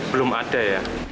belum ada ya